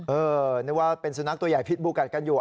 นึกว่าเป็นสุนัขตัวใหญ่พิษบูกัดกันอยู่